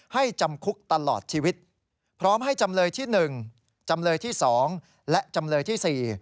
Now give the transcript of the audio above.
จำคุกตลอดชีวิตพร้อมให้จำเลยที่๑จำเลยที่๒และจำเลยที่๔